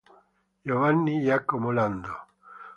Giovanni Giacomo Lando